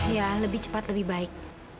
ya lebih cepat lebih baik